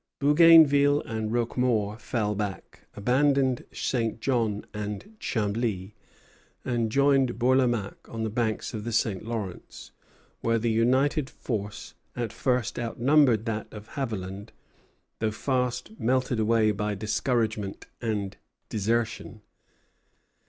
Bougainville and Roquemaure fell back, abandoned St. John and Chambly, and joined Bourlamaque on the banks of the St. Lawrence, where the united force at first outnumbered that of Haviland, though fast melted away by discouragement and desertion.